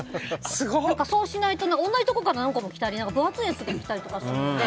そうしないと同じところから何個も来たり分厚いやつが来たりするので。